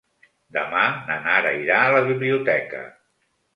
Demà na Nara irà a la biblioteca.